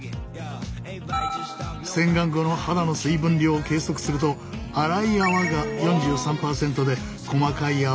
洗顔後の肌の水分量を計測すると粗い泡が４３％で細かい泡は４７％。